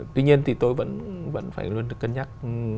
tuy nhiên thì tôi vẫn phải luôn cân nhắc